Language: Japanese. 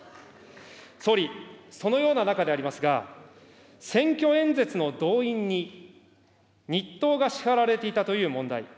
総理、そのような中でありますが、選挙演説の動員に日当が支払われていたという問題。